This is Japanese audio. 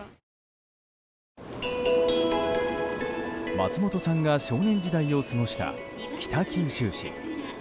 松本さんが少年時代を過ごした北九州市。